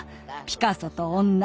「ピカソと女」